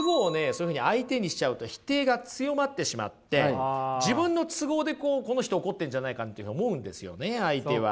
そういうふうに相手にしちゃうと否定が強まってしまって自分の都合でこの人怒ってるんじゃないかって思うんですよね相手は。